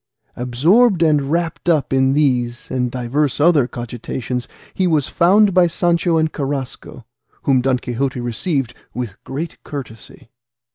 Absorbed and wrapped up in these and divers other cogitations, he was found by Sancho and Carrasco, whom Don Quixote received with great courtesy.